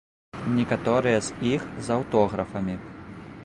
Некаторыя з іх з аўтографамі.